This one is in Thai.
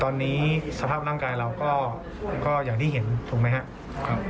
ตอนนี้สภาพร่างกายเราก็อย่างที่เห็นถูกไหมครับ